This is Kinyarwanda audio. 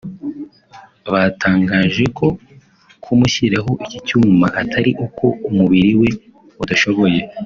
Batangaje ko kumushyiraho iki cyuma atari uko umubiri we udashoboye